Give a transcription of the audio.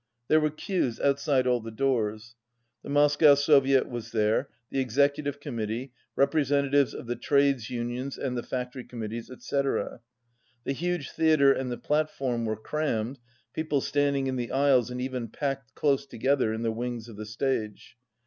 There were queues outside all the doors. The Moscow Soviet was there, the Execu tive Committee, representatives of the Trades Unions and the Factory Committees, etc. The huge theatre and the platform were crammed, peo ple standing in the aisles and even packed close together in the wings of the stage.